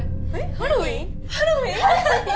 ハロウィーン？